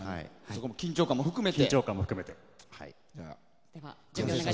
緊張感も含めて。